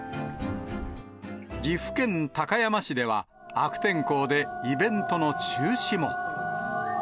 岐阜県高山市では、悪天候で、イベントの中止も。